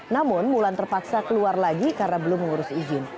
namun mulan terpaksa keluar lagi karena belum mengurus izin